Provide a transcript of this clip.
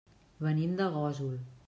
Venim de Gósol.